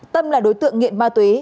tâm là đối tượng nghiện ma túy